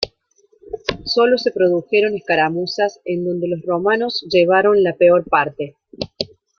Sólo se produjeron escaramuzas en donde los romanos llevaron la peor parte.